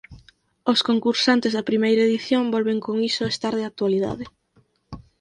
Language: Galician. Os concursantes da primeira edición volven con iso a estar de actualidade.